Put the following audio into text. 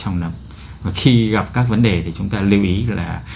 trong năm và khi gặp các vấn đề thì chúng ta lưu ý là